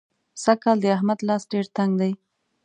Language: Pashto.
سږکال د احمد لاس ډېر تنګ دی.